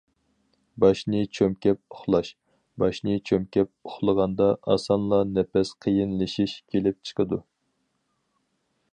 باشنى چۈمكەپ ئۇخلاش: باشنى چۈمكەپ ئۇخلىغاندا، ئاسانلا نەپەس قىيىنلىشىش كېلىپ چىقىدۇ.